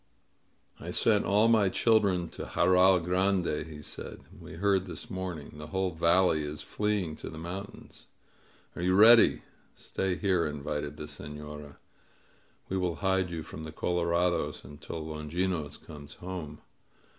"I sent all my children to Jarral Grande," he said. "We heard this morning. The whole valley is fleeing to the mountains. Are you ready?" "Stay here," invited the Sefiora. We will hide you from the colorados until Longinos comes home